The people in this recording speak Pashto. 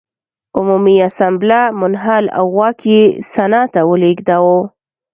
عمومي اسامبله منحل او واک یې سنا ته ولېږداوه.